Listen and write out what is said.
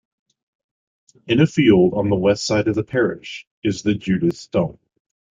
In a field on the west side of the parish is the 'Judith Stone'.